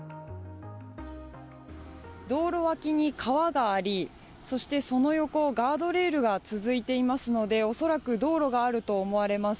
道路脇に川があり、そしてその横をガードレールが続いていますので、恐らく道路があると思われます。